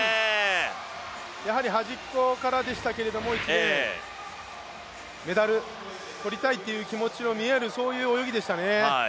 やはり端っこからでしたけど１レーン、メダル、取りたいっていう気持ちが見えるそういう泳ぎでしたね。